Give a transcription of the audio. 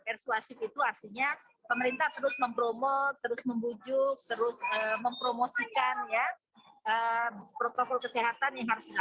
persuasif itu artinya pemerintah terus mempromosikan protokol kesehatan yang harus dilakukan